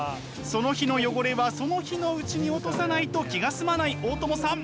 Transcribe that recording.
その日の汚れはその日のうちに落とさないと気が済まない大友さん。